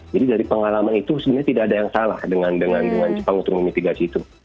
jadi dari pengalaman itu sebenarnya tidak ada yang salah dengan jepang untuk memitigasi itu